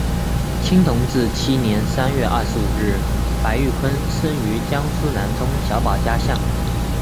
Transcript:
清同治七年三月二十五日白毓昆生于江苏南通小保家巷。